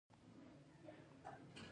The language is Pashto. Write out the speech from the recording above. هر ستوری د خپل ژوند یوه ځانګړې دوره لري.